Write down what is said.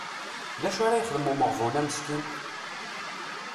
D acu ara yexdem umeɣbun-a meskin?